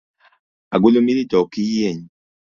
Agulu ma irito ok yieny